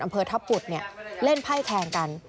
อำเภอทัพปุดเล่นไพ่แคงกัน